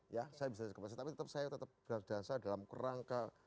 ya saya bisa saja keplaset tapi tetap saya tetap berdansa dalam kerangka